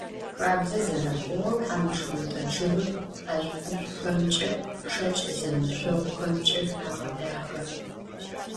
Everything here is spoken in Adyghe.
Хабзэ зэрэхъугъэу, хьамышхунтӏэ чъыгыр ӏэшӏу-ӏушӏухэмкӏэ, шэкӏ зэмышъогъухэмкӏэ агъэдахэ.